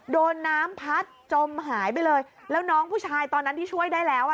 โดนน้ำพัดจมหายไปเลยแล้วน้องผู้ชายตอนนั้นที่ช่วยได้แล้วอ่ะ